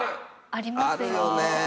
ありますよね。